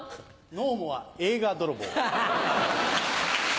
ＮＯＭＯＲＥ映画泥棒。